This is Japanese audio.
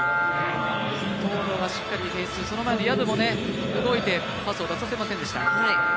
東藤がしっかりディフェンス、そのあと薮も動いてパスを出させませんでした。